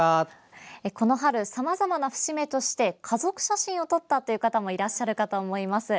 この春、さまざまな節目として家族写真を撮ったという方もいらっしゃるかと思います。